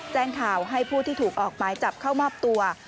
แจ้งข่าวให้ผู้ที่ถูกออกหมายจับเข้ามอบตัว